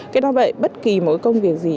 cái đó vậy bất kỳ mỗi công việc gì